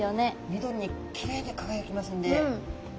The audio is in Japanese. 緑にきれいにかがやきますんで。